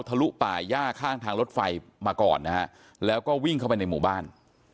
ลุป่าย่าข้างทางรถไฟมาก่อนนะฮะแล้วก็วิ่งเข้าไปในหมู่บ้าน